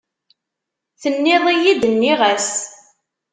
Tenniḍ-iyi-d, nniɣ-as.